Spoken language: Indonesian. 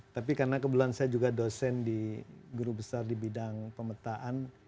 tapi karena kebetulan saya juga dosen di guru besar di bidang pemetaan